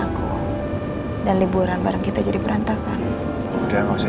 aku masih harus sembunyikan masalah lo andin dari mama